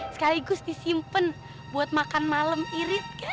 sekaligus disimpen buat makan malam irit kan